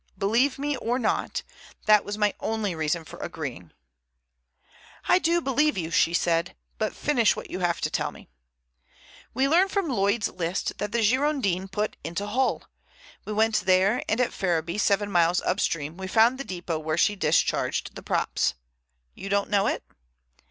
Believe me or not, that was my only reason for agreeing." "I do believe you," she said, "but finish what you have to tell me." "We learned from Lloyd's List that the Girondin put into Hull. We went there and at Ferriby, seven miles up stream, we found the depot where she discharged the props. You don't know it?"